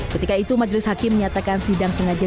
ketika itu majelis hakim menyatakan sidang sengaja